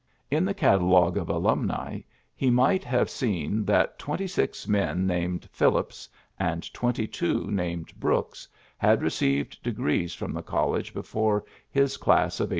In the catalogue PHILLIPS BKOOKS 13 of ahimiii he might have seen that twenty six men named Phillips and twenty two named Brooks had received degrees from the college before his class of 1855.